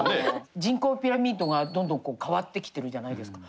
人口ピラミッドがどんどん変わってきてるじゃないですか。